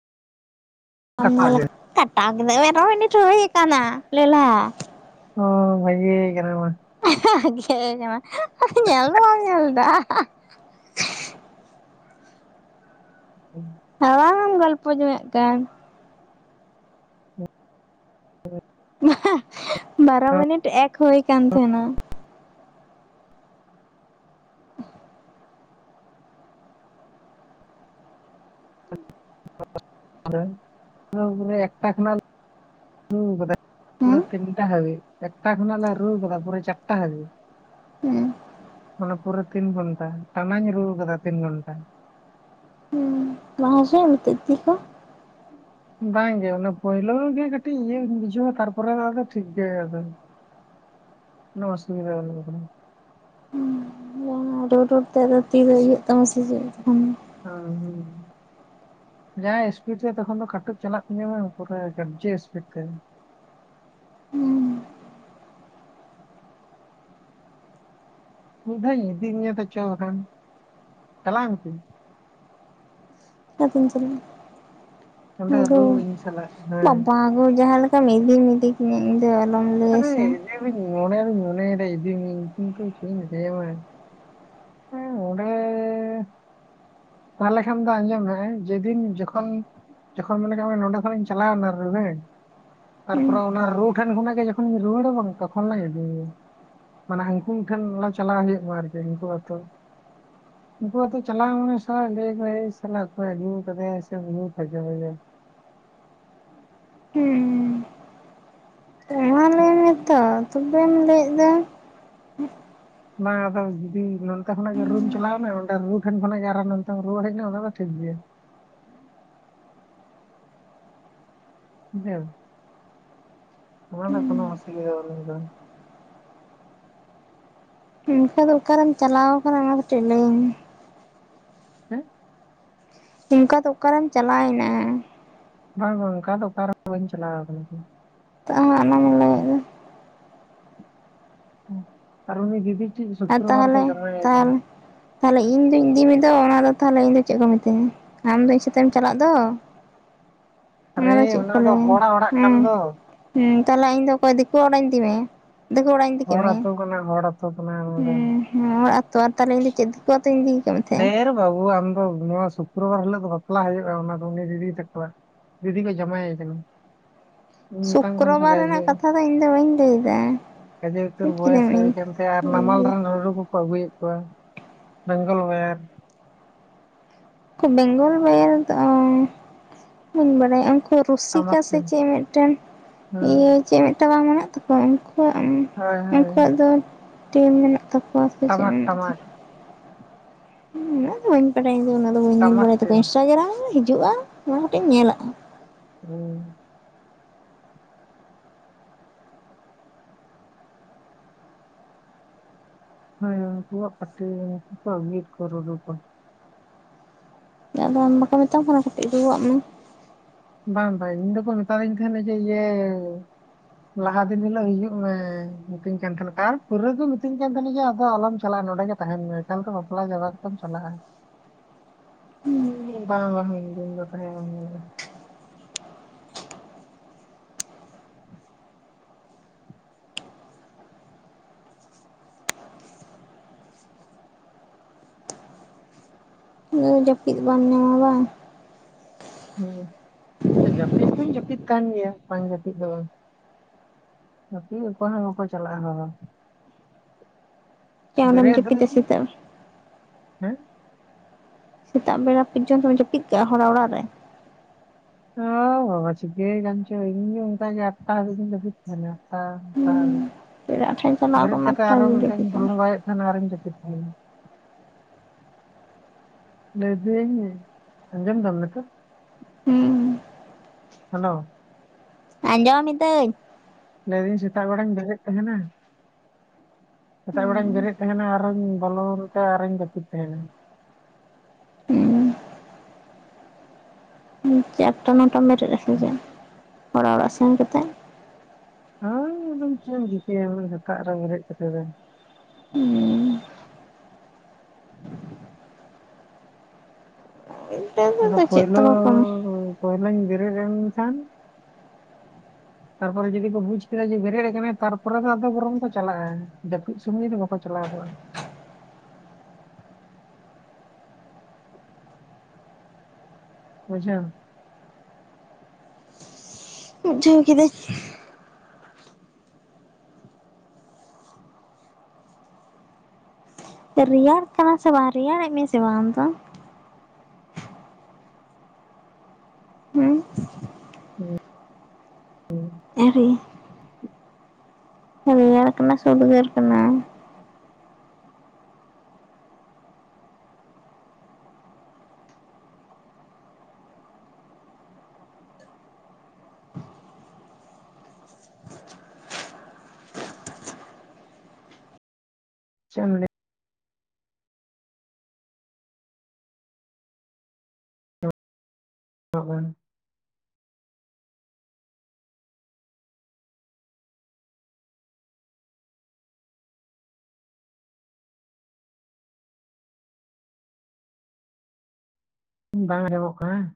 ᱟᱢ ᱠᱟᱛᱷᱟ ᱧᱮᱞ ᱜᱮ ᱠᱟᱴᱟᱣ ᱠᱮᱫᱟᱭ ᱵᱟᱨᱚᱱ ᱢᱤᱱᱤᱥ ᱦᱩᱭ ᱠᱟᱱᱟ ᱞᱮᱞᱦᱟ ᱚ ᱵᱷᱟᱹᱜᱮ ᱠᱟᱱᱟ ᱢᱟ ᱵᱷᱟᱜᱮ ᱠᱟᱱᱟ ᱧᱮᱞ ᱫᱚ ᱵᱟᱢ ᱧᱮᱞᱫᱟ ᱦᱮᱸ ᱦᱟᱣᱟ ᱢᱟᱢ ᱜᱚᱞᱯᱚ ᱡᱚᱝᱟᱜ ᱠᱟᱱ ᱵᱟᱨᱳ ᱢᱤᱱᱤᱴ ᱮᱠ ᱦᱩᱭ ᱠᱟᱱ ᱛᱟᱦᱮᱸᱱᱟ [inaudible] ᱯᱩᱨᱟᱹ ᱯᱩᱨᱟᱹ ᱮᱠᱴᱟ ᱠᱷᱚᱱᱟᱜ ᱯᱩᱨᱟᱹᱣ ᱠᱟᱛᱟ ᱦᱮᱸ ᱯᱩᱨᱟᱹᱣ ᱛᱤᱱᱴᱟ ᱦᱟᱵᱤ ᱮᱠᱴᱟ ᱠᱷᱱᱟᱜ ᱞᱮ ᱨᱩᱣ ᱠᱟᱫᱟ ᱯᱩᱨᱟᱹ ᱪᱟᱨᱴᱟ ᱦᱟᱵᱤᱡ ᱦᱮᱸ ᱢᱟᱱᱮ ᱯᱩᱨᱟᱹ ᱛᱤᱱ ᱜᱷᱚᱱᱴᱟ ᱴᱟᱱᱟᱧ ᱨᱩᱣ ᱠᱟᱫᱟ ᱛᱤᱱ ᱜᱷᱚᱱᱴᱟ ᱦᱮᱸ ᱵᱟᱝ ᱦᱟᱥᱩᱭᱮᱫ ᱢᱮᱛᱮ ᱛᱤ ᱠᱚ? ᱵᱟᱝᱜᱮ ᱚᱱᱮ ᱯᱳᱭᱞᱳ ᱜᱮ ᱠᱟᱹᱴᱤᱡ ᱤᱭᱟᱹᱧ ᱵᱩᱡᱷᱟᱹᱣᱟ ᱛᱟᱨᱯᱚᱨᱮ ᱟᱫᱚ ᱴᱷᱤᱠ ᱜᱮ ᱟᱫᱚ ᱠᱳᱱᱚ ᱚᱥᱩᱵᱩᱫᱷᱟ ᱵᱟᱱᱩᱜ ᱠᱟᱫᱟ ᱨᱩ ᱨᱩ ᱛᱮ ᱛᱤ ᱫᱚ ᱤᱩᱭᱟᱹᱜ ᱛᱟᱢᱟ ᱥᱮ ᱪᱮ ᱛᱚᱠᱷᱚᱱ ᱟ ᱦᱩᱸ ᱡᱟᱭ ᱤᱥᱯᱤᱰ ᱛᱚᱠᱷᱚᱱ ᱫᱚ ᱠᱟᱹᱴᱩᱵ ᱪᱟᱞᱟᱜ ᱛᱤᱧᱟ ᱵᱟᱝ ᱯᱩᱨᱟᱹ ᱜᱟᱡᱮ ᱤᱥᱯᱤᱰ ᱛᱮ ᱢᱤᱫ ᱫᱷᱟᱣ ᱤᱫᱤ ᱢᱮᱭᱟ ᱛᱚ ᱪᱚ ᱵᱟᱠᱷᱟᱱ ᱪᱟᱞᱟᱜ ᱟᱢ ᱠᱤ? ᱠᱟᱛᱮᱧ ᱪᱟᱞᱟᱜ-ᱟ ᱚᱸᱰᱮ ᱟᱫᱚ ᱨᱩ ᱤᱧ ᱥᱟᱞᱟᱜ ᱦᱮᱸ ᱵᱟᱵᱵᱟ ᱦᱩᱨ ᱡᱟᱦᱟᱸ ᱞᱮᱠᱟᱢ ᱤᱫᱤ ᱢᱤᱫᱤ ᱠᱤᱧᱟᱹ ᱤᱧ ᱫᱚ ᱟᱞᱚᱢ ᱞᱟᱹᱭᱟᱥᱮ ᱮᱢᱮᱧ ᱢᱚᱱᱮ ᱫᱚᱧ ᱢᱚᱱᱮ ᱭᱮᱫᱟ ᱤᱫᱤ ᱢᱤᱭᱤᱧ ᱠᱤᱱᱛᱩ ᱪᱮᱫ ᱤᱧ ᱞᱟᱹᱭᱟᱢᱟ ᱦᱮᱸ ᱚᱰᱮ ᱛᱟᱦᱚᱞᱮ ᱠᱷᱟᱱ ᱫᱚ ᱟᱸᱡᱚᱢ ᱢᱮ ᱦᱟᱜᱟᱭ ᱡᱮᱫᱤᱱ ᱡᱚᱠᱷᱚᱱ ᱡᱚᱠᱷᱚᱱ ᱢᱚᱱᱮ ᱠᱟᱜ ᱢᱮ ᱱᱚᱰᱮ ᱠᱷᱚᱱᱟᱜ ᱪᱟᱞᱟᱣ ᱮᱱᱟ ᱨᱟᱹᱨᱟᱹᱧ ᱦᱮᱸ ᱛᱟᱨᱯᱚᱨᱮ ᱚᱱᱟ ᱨᱩ ᱴᱷᱮᱱ ᱠᱷᱚᱱᱟᱜ ᱜᱮ ᱡᱚᱠᱷᱚᱱᱤᱧ ᱨᱩᱣᱟᱹᱲᱟ ᱵᱟᱝ ᱛᱚᱠᱷᱚᱱ ᱤᱧ ᱤᱫᱤ ᱢᱤᱭᱟᱹᱧ ᱢᱟᱱᱮ ᱩᱱᱠᱩ ᱴᱷᱮᱱ ᱪᱟᱞᱟᱣ ᱦᱩᱭᱩᱜ ᱢᱟ ᱟᱨᱠᱤ ᱩᱱᱠᱩ ᱟᱛᱳ ᱩᱱᱠᱩ ᱟᱛᱩ ᱪᱟᱞᱟᱣ ᱢᱟᱱᱮ ᱥᱟᱞᱟ ᱞᱟᱹᱭ ᱟᱠᱚ ᱚᱠᱚᱭ ᱟᱸᱜᱩ ᱟᱠᱟᱫᱮ ᱥᱮ ᱦᱩᱸ ᱦᱮ ᱢᱮᱛᱚ ᱛᱚᱵᱮᱢ ᱞᱟᱹᱭᱮᱫ ᱫᱚ ᱵᱟᱝ ᱟᱫᱚ ᱡᱩᱫᱤ ᱱᱚᱱᱛᱮ ᱠᱷᱚᱱᱟᱜ ᱜᱮ ᱨᱩᱢ ᱪᱟᱞᱟᱣ ᱮᱱᱟ ᱚᱱᱰᱮ ᱨᱩ ᱴᱷᱮᱱ ᱠᱷᱚᱱᱟᱜ ᱜᱮ ᱟᱨᱚ ᱱᱚᱛᱮᱢ ᱨᱩᱣᱟᱹᱲ ᱦᱮᱡ ᱮᱱᱟ ᱚᱱᱟ ᱫᱚ ᱴᱷᱤᱠ ᱜᱮᱭᱟ ᱚᱱᱟ ᱠᱚ ᱚᱥᱩᱵᱤᱫᱷᱟ ᱵᱟᱱᱩᱜ ᱟᱠᱟᱫᱟ ᱚᱱᱠᱟ ᱫᱚ ᱚᱠᱟᱨᱮᱢ ᱪᱟᱞᱟᱣ ᱠᱟᱱᱟ ᱚᱱᱟ ᱠᱟᱹᱴᱤᱡ ᱞᱟᱹᱭ ᱢᱮ? ᱦᱮ ᱚᱱᱠᱟ ᱫᱚ ᱚᱠᱟᱨᱮᱢ ᱪᱟᱞᱟᱣᱮᱱᱟ ᱵᱟᱝ ᱵᱟᱝ ᱚᱱᱠᱟ ᱫᱚ ᱚᱠᱟ ᱨᱮᱦᱚ ᱵᱟᱹᱧ ᱪᱟᱞᱟᱣ ᱠᱟᱱᱟ ᱛᱟᱦᱟ ᱦᱚ ᱚᱱᱟ ᱜᱮ ᱞᱟᱹᱭ ᱮᱫ ᱫᱚ ᱚ ᱟᱨ ᱩᱱᱤ ᱫᱤᱫᱤ ᱴᱤᱜ ᱟᱨ ᱥᱩᱠᱨᱚ ᱵᱟᱨ ᱠᱚ ᱛᱟᱦᱚᱞᱮ ᱡᱟᱢᱟᱭᱮ ᱠᱟᱱᱟ ᱛᱟᱦᱚᱞᱮ ᱛᱟᱦᱚᱞᱮ ᱤᱧ ᱫᱚᱧ ᱤᱫᱤ ᱢᱮᱫᱚ ᱚᱱᱟᱫᱚ ᱛᱟᱦᱚᱞᱮ ᱤᱧ ᱫᱚ ᱪᱮᱫ ᱠᱚ ᱢᱤᱛᱟᱹᱧᱟ ᱟᱢ ᱫᱚ ᱤᱧ ᱥᱟᱛᱮᱢ ᱪᱟᱞᱟᱜ ᱫᱚ ᱦᱮ ᱟᱨᱮ ᱟᱫᱚ ᱪᱮᱫ ᱚᱱᱟ ᱠᱚ ᱫᱚ ᱞᱟᱹᱭᱟ ᱦᱚᱲᱟᱜ ᱚᱲᱟᱜ ᱦᱮ ᱠᱟᱱ ᱫᱚ ᱦᱮ ᱛᱟᱦᱚᱞᱮ ᱤᱧ ᱫᱚ ᱚᱠᱚᱭ ᱫᱤᱠᱩ ᱚᱲᱟᱜ ᱤᱧ ᱤᱫᱤ ᱢᱮᱭᱟ ᱫᱤᱠᱩ ᱚᱲᱟᱜ ᱤᱧ ᱤᱫᱤ ᱠᱮᱫ ᱢᱮᱭᱟ ᱚᱱᱟ ᱦᱚᱲ ᱟᱹᱛᱩ ᱠᱟᱱᱟ ᱱᱚᱰᱮ ᱦᱮ ᱦᱚᱲ ᱟᱛᱳ ᱟᱨ ᱛᱟᱦᱟᱞᱮ ᱤᱧ ᱫᱚ ᱪᱮᱫ ᱫᱤᱠᱩ ᱟᱹᱛᱩ ᱤᱫᱤ ᱟᱠᱟᱫ ᱢᱮ ᱛᱟᱦᱮᱜ-ᱟ᱾ ᱵᱟᱹᱵᱩᱣᱟᱜ ᱟᱢ ᱫᱚ ᱱᱚᱣᱟ ᱥᱩᱠᱨᱚ ᱵᱟᱨ ᱦᱤᱞᱚᱜ ᱫᱚ ᱵᱟᱯᱞᱟ ᱦᱩᱭᱩᱜ-ᱟ᱾ ᱚᱱᱟ ᱫᱚ ᱩᱱᱤ ᱫᱤᱫᱤᱭ ᱛᱟᱠᱚᱣᱟᱜ ᱫᱤᱫᱤ ᱠᱚ ᱡᱟᱢᱟᱭᱮ ᱠᱟᱱᱟ ᱤᱧ ᱢᱮᱛᱟᱢ ᱠᱟᱱ ᱥᱩᱠᱨᱚ ᱵᱟᱨ ᱛᱟᱦᱮᱸ ᱨᱮᱱᱟᱜ ᱠᱟᱛᱷᱟ ᱫᱚ ᱤᱧ ᱫᱚ ᱵᱟᱹᱧ ᱞᱟᱹᱭ ᱫᱟ ᱜᱟᱡᱫᱮ ᱩᱛᱟᱹᱨ ᱵᱚᱭᱮᱥ ᱦᱩᱭ ᱠᱟᱱ ᱛᱟᱭᱟ ᱟᱨ ᱱᱟᱢᱟᱞ ᱨᱮᱱ ᱨᱩᱨᱩ ᱠᱚᱠᱚ ᱟᱹᱜᱩᱭᱮᱫ ᱠᱚᱣᱟ ᱛᱚ ᱮᱯ ᱩᱱᱠᱩ ᱵᱮᱝᱜᱚᱞ ᱵᱟᱭᱟᱨ ᱫᱚ ᱵᱟᱹᱧ ᱵᱟᱲᱟᱭᱟ ᱨᱩᱥᱤᱠᱟ ᱴᱟᱢᱟᱠ ᱥᱮ ᱴᱩᱢ ᱪᱮᱫ ᱢᱤᱫᱴᱮᱱ ᱤᱭᱟᱹ ᱦᱮᱸ ᱪᱮᱫ ᱢᱤᱫᱴᱮᱱ ᱵᱟᱝ ᱢᱮᱱᱟᱜ ᱛᱟᱠᱚᱣᱟ ᱩᱱᱠᱩ ᱛᱚᱟᱢ ᱦᱳᱭ ᱩᱱᱠᱩᱣᱟᱜ ᱦᱳᱭ ᱫᱚ ᱴᱤᱢ ᱢᱮᱱᱟᱜ ᱛᱟᱠᱚᱣᱟ ᱥᱮ ᱪᱮᱫ ᱴᱟᱢᱟᱠ ᱴᱟᱢᱟᱠ ᱢᱮᱱᱟᱜ ᱛᱟᱠᱚᱣᱟ ᱩᱱᱟᱹᱜ ᱫᱚ ᱵᱟᱹᱧ ᱵᱟᱰᱟᱭᱟ ᱩᱱᱟᱹᱜ ᱫᱚ ᱵᱟᱹᱧ ᱧᱮᱞ ᱴᱟᱢᱟᱠ ᱵᱟᱲᱟᱭ ᱴᱩᱢ ᱛᱟᱠᱚᱣᱟ ᱤᱱᱥᱴᱟᱜᱨᱟᱢ ᱨᱮ ᱦᱤᱡᱩᱜ-ᱟ᱾ ᱚᱱᱟ ᱠᱟᱹᱴᱤᱡ ᱤᱧ ᱧᱮᱞᱟᱜ-ᱟ᱾ ᱝ ᱦᱳᱭ ᱩᱱᱠᱩᱣᱟᱜ ᱯᱟᱴᱤ ᱩᱱᱠᱩ ᱠᱚ ᱟᱹᱜᱩᱭᱮᱫ ᱠᱚᱣᱟ ᱨᱩᱨᱩ ᱠᱚ ᱫᱚᱟᱢ ᱵᱟᱠᱚ ᱢᱮᱛᱟᱢ ᱠᱟᱱᱟ ᱠᱟᱹᱴᱤᱡ ᱨᱩ ᱟᱣᱟᱜ ᱢᱮ ᱵᱟᱝ ᱵᱟᱝ ᱤᱧ ᱫᱚᱠᱚ ᱢᱮᱛᱟ ᱫᱤᱧ ᱛᱟᱦᱮᱱᱟ ᱡᱮ ᱤᱭᱟᱹ ᱞᱟᱦᱟ ᱫᱤᱱ ᱦᱤᱞᱚᱜ ᱦᱤᱡᱩᱜ ᱢᱮ ᱢᱤᱛᱟᱹᱧ ᱠᱟᱱ ᱛᱟᱦᱮᱱᱟ ᱠᱚ ᱟᱨ ᱯᱩᱨᱟᱹ ᱜᱮ ᱠᱚ ᱢᱤᱛᱟᱹᱧ ᱠᱟᱱ ᱛᱟᱦᱮᱱᱟ ᱡᱮ ᱟᱫᱚ ᱟᱞᱚᱢ ᱪᱟᱞᱟᱜ-ᱟ᱾ ᱱᱚᱰᱮ ᱜᱮ ᱛᱟᱦᱮᱱ ᱢᱮ ᱮᱠᱟᱞᱛᱮ ᱵᱟᱯᱞᱟ ᱪᱟᱵᱟ ᱠᱟᱛᱮᱢ ᱪᱟᱞᱟᱜ-ᱟ᱾ ᱵᱟᱝ ᱵᱟᱝ ᱩᱱ ᱫᱤᱱ ᱫᱚ ᱛᱟᱦᱮ ᱵᱟᱝ ᱜᱟᱱᱚᱜ-ᱟ᱾ ᱚᱱᱰᱮᱫᱚ ᱡᱟᱹᱯᱤᱫ ᱵᱟᱢ ᱧᱟᱢᱟ ᱵᱟᱝ ᱦᱮ ᱡᱟᱹᱯᱤᱫ ᱫᱚᱧ ᱡᱟᱹᱯᱤᱫ ᱛᱟᱦᱮᱱ ᱜᱮᱭᱟ ᱵᱟᱝ ᱡᱟᱹᱯᱤᱫ ᱫᱚ ᱵᱟᱝ ᱜᱟᱛᱤ ᱚᱠᱚᱭ ᱦᱚ ᱵᱟᱠᱳ ᱪᱟᱞᱟᱜ-ᱟ᱾ ᱦᱚᱦᱚ ᱪᱮᱫ ᱚᱸᱰᱮᱢ ᱵᱮᱨᱮᱫ ᱡᱟᱹᱯᱤᱫᱟ ᱫᱟᱞᱤᱧ ᱥᱮᱛᱟᱜ ᱦᱮ ᱥᱮᱛᱟᱜ ᱵᱮᱲᱟ ᱯᱚᱨᱡᱚᱱᱛᱚᱢ ᱡᱟᱹᱯᱤᱫ ᱠᱟᱜ-ᱟ᱾ ᱦᱚᱲᱟᱜ ᱚᱲᱟᱜ ᱨᱮ ᱚ ᱵᱟᱵᱟ ᱪᱤᱠᱟᱣ ᱠᱟᱱ ᱪᱚ ᱤᱧ ᱫᱚ ᱚᱝᱠᱟ ᱜᱮ ᱟᱴᱴᱟ ᱦᱟᱵᱤᱡ ᱜᱮᱧ ᱡᱟᱯᱤᱫ ᱛᱟᱦᱮᱱ ᱱᱟ ᱦᱩᱸ ᱛᱟᱦᱚᱞᱮ ᱯᱮᱲᱟ ᱴᱷᱮᱱ ᱪᱟᱞᱟᱣ ᱠᱚᱜ ᱵᱮᱨᱮᱫ ᱢᱮ ᱠᱟᱛᱮᱫ ᱟᱴᱴᱟ ᱟᱨᱚ ᱨᱮᱜᱮᱢ ᱢᱤᱫᱫᱷᱟᱣ ᱡᱟᱹᱯᱤᱫ ᱤᱧ ᱠᱟᱜᱼᱟ ᱵᱚᱞᱚᱵᱟᱭᱚᱜ ᱛᱟᱦᱮᱱᱟ ᱟᱨᱤᱧ ᱡᱟᱹᱯᱤᱫ ᱛᱟᱦᱮᱱᱟ ᱞᱟᱹᱭ ᱫᱟᱹᱧ ᱟᱸᱡᱚᱢ ᱫᱟᱢ ᱱᱤᱛᱚᱜ ᱦᱩᱸ ᱦᱮᱞᱳ ᱟᱸᱡᱚᱢ ᱤᱫᱟᱹᱧ ᱞᱟᱹᱭᱫᱟᱹᱧ ᱥᱮᱛᱟᱜ ᱵᱮᱲᱟᱧ ᱵᱮᱨᱮᱫ ᱛᱟᱦᱮᱱᱟ ᱥᱮᱛᱟᱜ ᱦᱩᱸ ᱵᱮᱲᱟᱧ ᱵᱮᱨᱮᱫ ᱛᱟᱦᱮᱱᱟ ᱟᱨᱚᱧ ᱵᱚᱞᱚᱛᱮ ᱟᱨᱚᱧ ᱡᱟᱹᱯᱤᱫ ᱛᱟᱦᱮᱱᱟ ᱦᱩᱸ ᱪᱮᱫ ᱟᱴᱴᱟ ᱱᱚᱴᱟᱢ ᱵᱮᱨᱮᱫ-ᱟ ᱥᱮᱪᱮᱫ ᱦᱚᱲᱟᱜ ᱚᱲᱟᱜ ᱥᱮᱱ ᱠᱟᱛᱮᱜ ᱦᱳᱭ ᱟᱫᱚ ᱪᱮᱫ ᱮᱢ ᱪᱤᱠᱟᱭᱟ ᱩᱱᱟᱜ ᱥᱮᱛᱟᱜ ᱨᱮ ᱵᱮᱨᱮᱫ ᱠᱟᱛᱮ ᱫᱚ ᱟᱫᱚ ᱫᱚ ᱪᱮᱫ ᱯᱳᱭᱞᱳ ᱛᱮᱠᱚ ᱠᱟᱹᱢᱤ ᱯᱳᱭᱞᱳᱧ ᱵᱮᱨᱮᱫ ᱮᱱ ᱠᱷᱟᱱ ᱛᱟᱨᱯᱚᱨᱮ ᱡᱩᱫᱤ ᱠᱚ ᱵᱩᱡ ᱠᱮᱫᱟ ᱡᱮ ᱵᱮᱨᱮᱫ ᱟᱠᱟᱱᱟ ᱛᱟᱨᱯᱚᱨᱮ ᱟᱫᱚ ᱵᱚᱨᱚᱝ ᱠᱚ ᱪᱟᱞᱟᱜᱼᱟ ᱡᱟᱹᱯᱤᱫ ᱥᱩᱢᱚᱭ ᱫᱚ ᱵᱟᱠᱚ ᱪᱟᱞᱟᱣ ᱠᱚᱜᱼᱟ᱾ ᱵᱩᱡᱷᱟᱹᱣ᱾ ᱤᱡ ᱡᱷᱟᱹᱣ ᱠᱮᱫᱤᱧ᱾ ᱨᱮᱭᱟᱲ ᱠᱟᱱᱟ ᱥᱮ ᱵᱟᱝ ᱨᱮᱭᱟᱲ ᱮᱫ ᱢᱮᱭᱟ ᱥᱮ ᱵᱟᱝ ᱟᱢ ᱫᱚ? ᱦᱮᱸ ᱦᱮᱸ ᱟᱣᱨᱤ ᱨᱮᱭᱟᱨ ᱠᱟᱱᱟ ᱥᱮ ᱩᱫᱜᱟᱹᱨ ᱠᱟᱱᱟ? ᱪᱮᱜ ᱮᱢ ᱞᱟᱼᱼ ᱦᱵᱚᱱ [inaudible] ᱵᱟᱝ ᱟᱡᱚᱢᱚᱜ ᱠᱟᱱᱟ